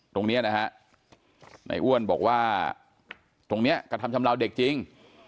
ตรงนี้นะฮะในอ้วนบอกว่าตรงนี้กระทำชำราวเด็กจริง